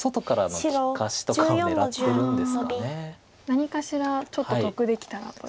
何かしらちょっと得できたらという。